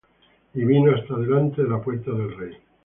Y vino hasta delante de la puerta del rey: